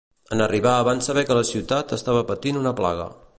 En arribar van saber que la ciutat estava patint una plaga.